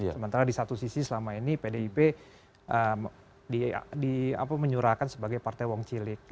sementara di satu sisi selama ini pdip menyurahkan sebagai partai wong cilik